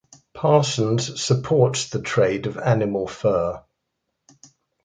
Parsons supports the trade of animal fur.